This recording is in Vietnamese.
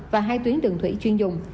và hai tuyến đường thủy chuyên dùng